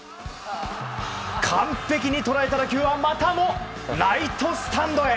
完璧に捉えた打球はまたもライトスタンドへ！